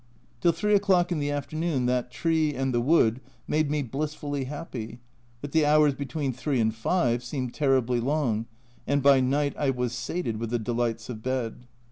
Till 3 o'clock in the afternoon that tree and the wood made me blissfully happy, but the hours be tween 3 and 5 seemed terribly long, and by night I was sated with the delights of bed.